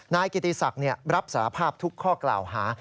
นายกิติศักดิ์รับสารภาพทุกข้อกล่าวหา